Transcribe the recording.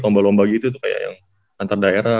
lomba lomba gitu tuh kayak yang antar daerah